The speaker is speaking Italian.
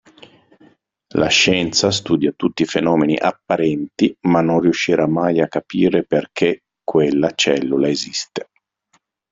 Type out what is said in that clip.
La scienza studia tutti i fenomeni apparenti ma non riuscirà mai a capire perché quella cellula esiste.